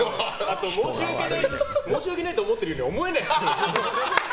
申し訳ないと思ってるように思えない。